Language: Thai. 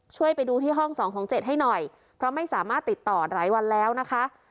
ไปดูที่ห้อง๒ของเจ็ดให้หน่อยเพราะไม่สามารถติดต่อหลายวันแล้วนะคะ